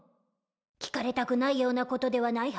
聞かれたくないようなことではないはず。